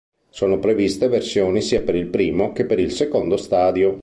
Sono previste versioni sia per il primo che per il secondo stadio.